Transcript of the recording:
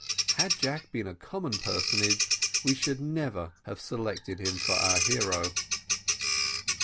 Had Jack been a common personage, we should never have selected him for our hero.